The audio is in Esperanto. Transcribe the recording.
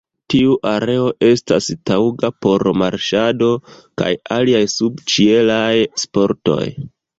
Tiu areo estas taŭga por marŝado kaj aliaj subĉielaj sportoj.